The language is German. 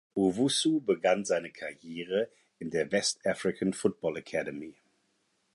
Owusu begann seine Karriere in der West African Football Academy.